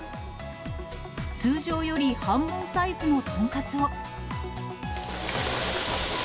通常より半分サイズの豚カツを。